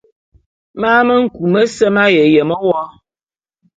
Man me nku mese m'aye yeme wo.